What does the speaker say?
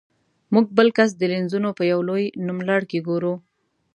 موږ بل کس د لینزونو په یو لوی نوملړ کې ګورو.